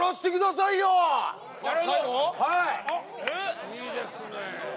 はいいいですね